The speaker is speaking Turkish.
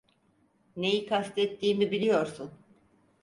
Neyi kastettiğimi biliyorsun.